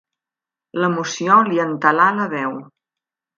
L'emoció li entelà la veu.